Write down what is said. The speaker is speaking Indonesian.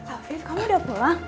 afif kamu udah pulang